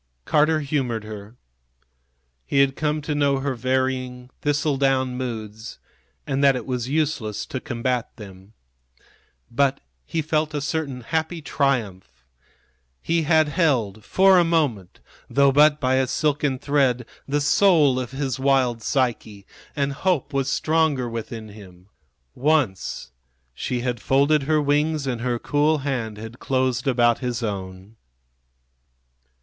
Carter humored her. He had come to know her varying, thistle down moods, and that it was useless to combat them. But he felt a certain happy triumph. He had held for a moment, though but by a silken thread, the soul of his wild Psyche, and hope was stronger within him. Once she had folded her wings and her cool hand had closed about his own.